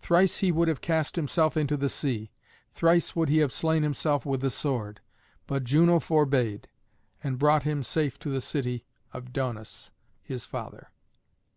Thrice he would have cast himself into the sea; thrice would he have slain himself with the sword; but Juno forbad, and brought him safe to the city of Daunus, his father.